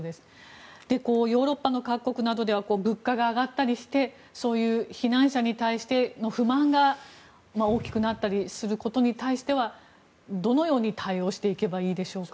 ヨーロッパの各国などでは物価が上がったりしてそういう避難者に対しての不満が大きくなったりすることに対してどのように対応していけばいいでしょうか。